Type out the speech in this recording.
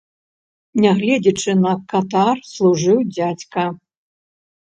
Нягледзячы на катар, служыў дзядзька.